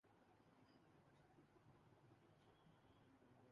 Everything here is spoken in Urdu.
اک بات ہے اعجاز مسیحا مرے آگے